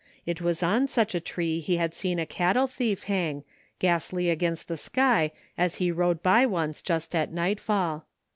It was on such a tree he had seen a cattle thief hang, ghastly against the sky, as he rode by once just at nightfall.